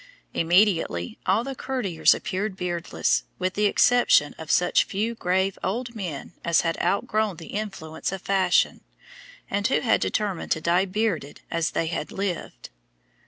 Immediately all the courtiers appeared beardless, with the exception of such few grave old men as had outgrown the influence of fashion, and who had determined to die bearded as they had lived.